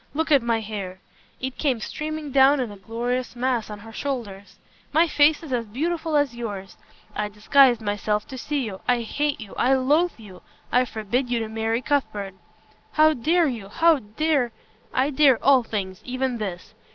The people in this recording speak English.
Look at my hair." It came streaming down in a glorious mass on her shoulders. "My face is as beautiful as yours. I disguised myself to see you. I hate you! I loathe you! I forbid you to marry Cuthbert." "How dare you how dare " "I dare all things even this."